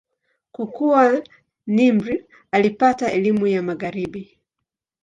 Kukua, Nimr alipata elimu ya Magharibi.